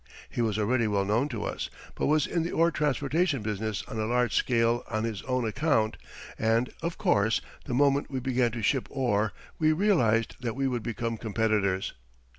He was already well known to us, but was in the ore transportation business on a large scale on his own account and, of course, the moment we began to ship ore we realized that we would become competitors.